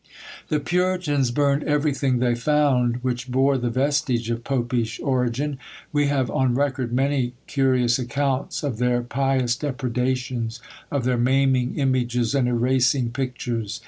The puritans burned everything they found which bore the vestige of popish origin. We have on record many curious accounts of their pious depredations, of their maiming images and erasing pictures.